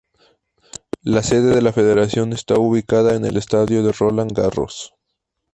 La sede de la federación está ubicada en el Estadio de Roland Garros.